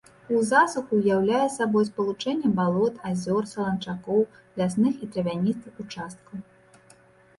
У засуху ўяўляе сабой спалучэнне балот, азёр, саланчакоў, лясных і травяністых участкаў.